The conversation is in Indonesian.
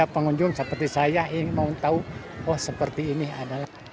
pengunjung seperti saya ingin mau tahu oh seperti ini adalah